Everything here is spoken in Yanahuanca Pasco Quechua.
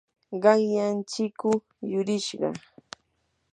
qanyan chikuu yurishqa.